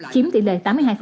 chiếm tỷ lệ tám mươi hai